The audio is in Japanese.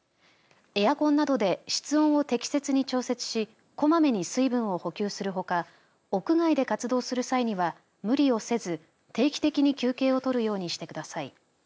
エアコンなどで室温を適切に調節しこまめに水分を補給するほか屋外で活動する際には無理をせず、定期的に休憩をとるようにしてください。